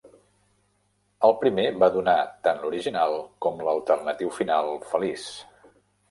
El primer va donar tant l'original com l'alternatiu final "feliç".